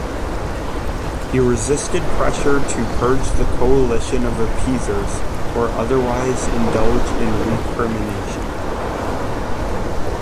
He resisted pressure to purge the coalition of appeasers, or otherwise indulge in recrimination.